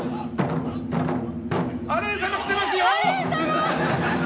アレン様来てますよ！